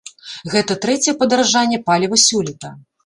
Гэта трэцяе падаражанне паліва сёлета.